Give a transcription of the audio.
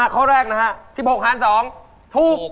ข้อแรกสิบหกหาวันสองถูก